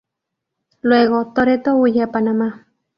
Luego Toretto huye a Panamá.